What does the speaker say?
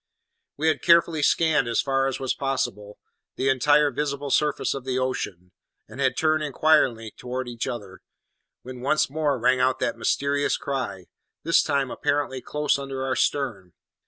We had carefully scanned, as far as was possible, the entire visible surface of the ocean, and had turned inquiringly towards each other, when once more rang out that mysterious cry, this time apparently close under our stern.